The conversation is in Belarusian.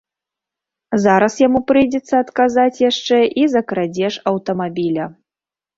Зараз яму прыйдзецца адказаць яшчэ і за крадзеж аўтамабіля.